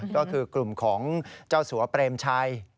ก็คือกลุ่มของเจ้าสัวเปรมชัย